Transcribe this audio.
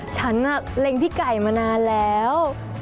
ฉันเล็งพี่ไก่มานานแล้ว